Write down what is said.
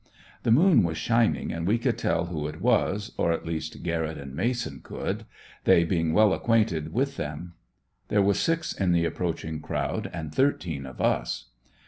The moon was shining and we could tell who it was, or at least Garrett and Mason could; they being well acquainted with them. There was six in the approaching crowd, and thirteen of us.